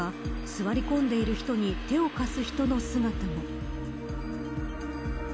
座り込んでいる人に手を貸す人の姿も。